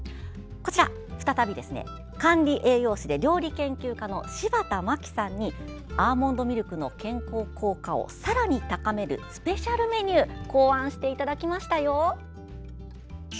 再び管理栄養士で料理研究家の柴田真希さんにアーモンドミルクの健康効果をさらに高めるスペシャルメニュー考案していただきましたよ。